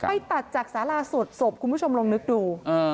ไปตัดจากสาราสวดศพคุณผู้ชมลองนึกดู